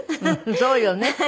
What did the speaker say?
そうよね。